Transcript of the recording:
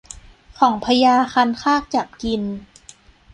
ของพญาคันคากจับกิน